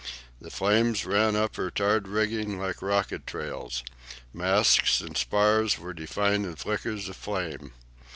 The flames ran up her tarred rigging like rocket trails, masts and spars were defined in flickers of flame.